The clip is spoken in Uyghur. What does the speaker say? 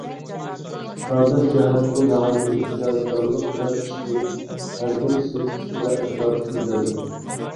ئىپادىلەش جەھەتتىمۇ ناھايىتى ئېھتىياتچانلىق بىلەن ئىش كۆرۈپ، ھەربىر سۆز ئۈستىدە ئەتراپلىق ئىزدەندى.